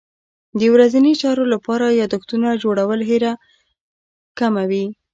د ورځني چارو لپاره یادښتونه جوړول هېره کمه وي.